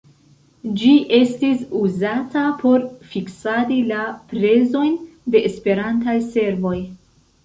Ĝi estis uzata por fiksadi la prezojn de Esperantaj servoj.